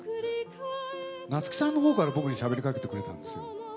夏木さんのほうから僕にしゃべりかけてくれたんですよ。